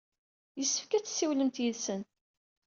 Yessefk ad tessiwlemt yid-sen.